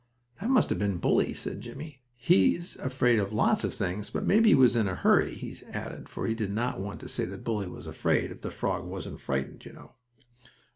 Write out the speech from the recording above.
"That must have been Bully," said Jimmie. "He's afraid of lots of things. But maybe he was in a hurry," he added, for he did not want to say that Bully was afraid if the frog wasn't frightened, you know.